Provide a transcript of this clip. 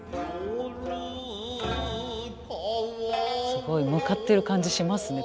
すごい向かってる感じしますね